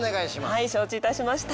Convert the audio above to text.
はい承知いたしました。